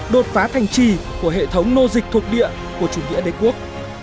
đột phá thành trì của hệ thống nô dịch thuộc địa của chủ nghĩa đế quốc